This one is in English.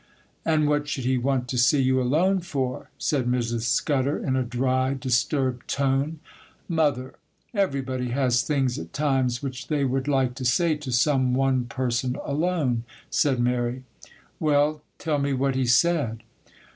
'And what should he want to see you alone for?' said Mrs. Scudder, in a dry, disturbed tone. 'Mother,—everybody has things at times which they would like to say to some one person alone,' said Mary. 'Well, tell me what he said.